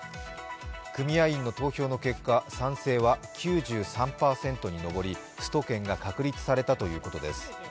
組合員の投票の結果、賛成は９３％に上り、スト権が確立されたということです。